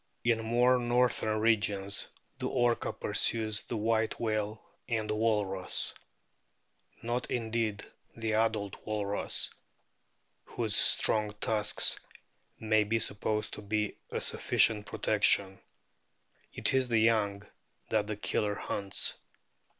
In more northern regions the Orca pursues the White whale and the walrus. Not indeed the adult walrus, whose strong tusks may be supposed to be a sufficient protection. It is the young that the Killer hunts.